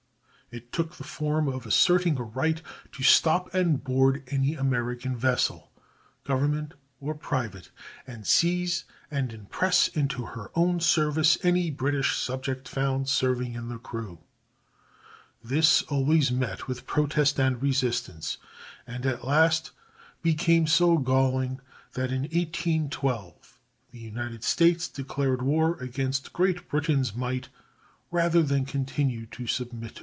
It took the form of asserting her right to stop and board any American vessel, governmental or private, and seize and impress into her own service any British subject found serving in the crew. This always met with protest and resistance, and at last became so galling that in 1812 the United States declared war against Great Britain's might rather than continue to submit to it.